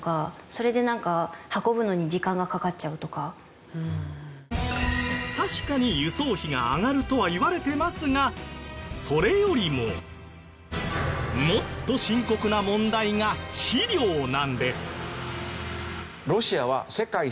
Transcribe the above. それでなんか確かに輸送費が上がるとはいわれてますがそれよりももっと深刻な問題が肥料なんです。